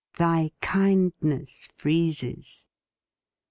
'thy kindness freezes.'